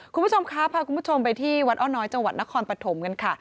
คุณผู้ชมคะพาคุณผู้ชมไปที่วัดอ้อน้อยจังหวัดนครปฐมกันค่ะ